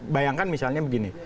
bayangkan misalnya begini